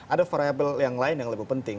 ada variable yang lain yang lebih penting